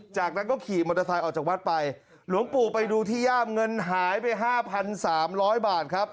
จากนั้นก็ขี่มอเตอร์ไซค์ออกจากวัดไปหลวงปู่ไปดูที่ย่ามเงินหายไป๕๓๐๐บาทครับ